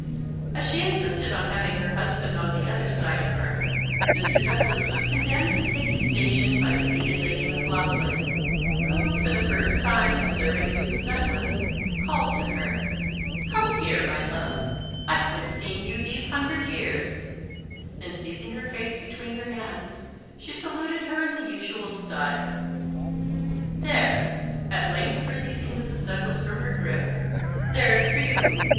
As she insisted on having her husband on the other side of her, Mr. Douglas was condemned to take his station by the hated Lady Maclaughlan, who, for the first time observing Mrs. Douglas, called to her "Come here, my love; I haven't seen you these hundred years;" then seizing her face between her hands, she saluted her in the usual style. "There," at length releasing Mrs Douglas from her gripe "there's for you!